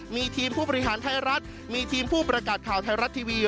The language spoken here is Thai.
มีทีมผู้บริหารไทยรัฐมีทีมผู้ประกาศข่าวไทยรัฐทีวี